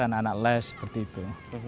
anak anak les seperti itu